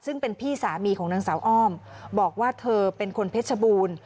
ซึ่งเป็นพี่สามีของนางสาวอ้อมบอกว่าเธอเป็นคนเพชรบูรณ์